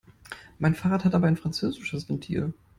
Mein Fahrrad hat aber ein französisches Ventil.